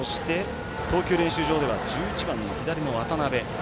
投球練習場では１１番の左の渡邉。